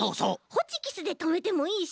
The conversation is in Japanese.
ホチキスでとめてもいいし。